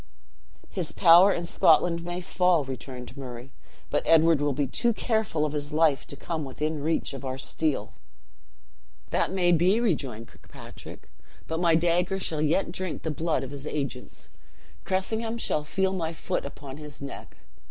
"His power in Scotland may fall," returned Murray; "but Edward will be too careful of his life to come within reach of our steel." "That may be," rejoined Kirkpatrick; "but my dagger shall yet drink the blood of his agents. Cressingham shall feel my foot upon his neck!